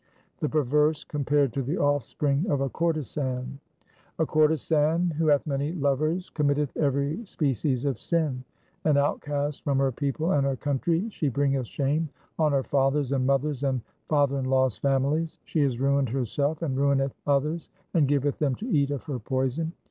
2 The perverse compared to the offspring of a courtesan :— A courtesan who hath many lovers committeth every species of sin. An outcast from her people and her country, she bringeth shame on her father's and mother's and father in law's families. She is ruined herself and ruineth others, and giveth them to eat of her poison.